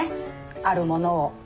あるものを。